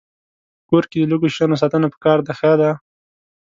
په کور کې د لږو شیانو ساتنه پکار ده ښه ده.